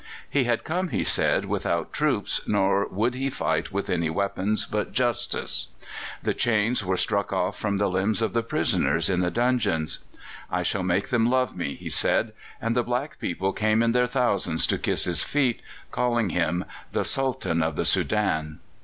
He had come, he said, without troops, nor would he fight with any weapons but justice. The chains were struck off from the limbs of the prisoners in the dungeons. "I shall make them love me," he said; and the black people came in their thousands to kiss his feet, calling him "the Sultan of the Soudan."